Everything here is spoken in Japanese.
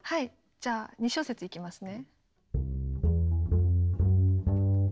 じゃあ２小節いきますね。